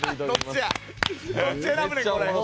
どっち選ぶねんこれ。